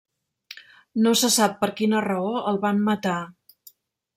No se sap per quina raó el van matar.